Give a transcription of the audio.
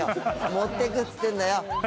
持ってくっつってんだよ